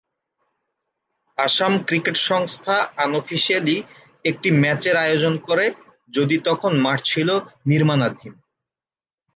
Assam cricket সংস্থা unofficially একটি ম্যাচের আয়োজন করে যদি তখন মাঠ ছিল নির্মাণাধীন।